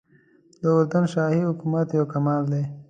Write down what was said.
د اردن شاهي حکومت یو کمال دی.